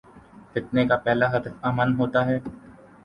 فتنے کا پہلا ہدف امن ہو تا ہے۔